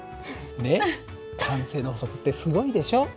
ねっ慣性の法則ってすごいでしょ。